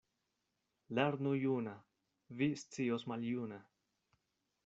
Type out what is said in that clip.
Lernu juna — vi scios maljuna.